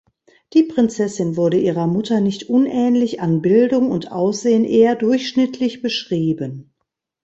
Die Prinzessin wurde ihrer Mutter nicht unähnlich, an Bildung und Aussehen eher durchschnittlich beschrieben.